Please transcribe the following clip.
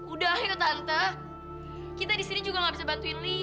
udah yuk tante kita disini juga gak bisa bantuin lia